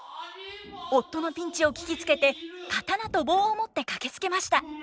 夫のピンチを聞きつけて刀と棒を持って駆けつけました。